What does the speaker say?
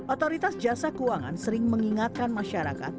otoritas jasa keuangan sering mengingatkan masyarakat